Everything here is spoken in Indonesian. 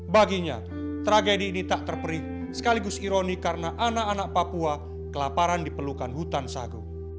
baginya tragedi ini tak terperih sekaligus ironi karena anak anak papua kelaparan di pelukan hutan sagu